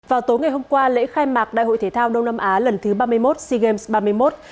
vào tối ngày hôm qua lễ khai mạc đại hội thể thao đông nam á lần thứ ba mươi một sea games ba mươi một